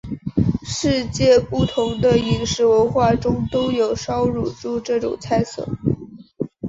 世界不同的饮食文化中都有烧乳猪这种菜色。